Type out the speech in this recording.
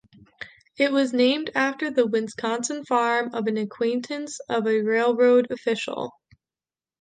It was named after the Wisconsin farm of an acquaintance of a railroad official.